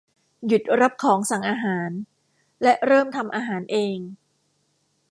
หยุดรับของสั่งอาหารและเริ่มทำอาหารเอง !